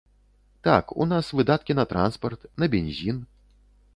Так, у нас выдаткі на транспарт, на бензін.